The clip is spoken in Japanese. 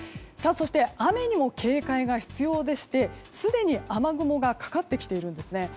雨にも警戒が必要でして、すでに雨雲がかかってきているんです。